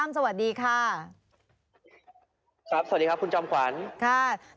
ครับสวัสดีครับคุณจอมขวัญ